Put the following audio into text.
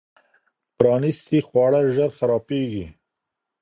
پرانیستي خواړه ژر خرابېږي.